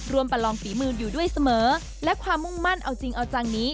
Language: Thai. ประลองฝีมืออยู่ด้วยเสมอและความมุ่งมั่นเอาจริงเอาจังนี้